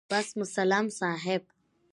بس مسلم صاحب